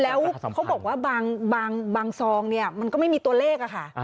แล้วเขาบอกว่าบางซองเนี่ยมันก็ไม่มีตัวเลขอะค่ะ